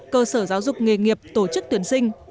cơ sở giáo dục nghề nghiệp tổ chức tuyển sinh